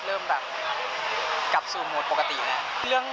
เริ่มแบบกลับสู่โหมดปกติแล้ว